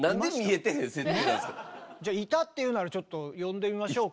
じゃあ「いた」って言うならちょっと呼んでみましょうか？